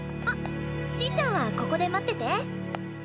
あっちぃちゃんはここで待ってて。